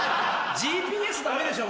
ＧＰＳダメでしょ